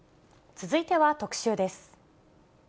続いては特集です。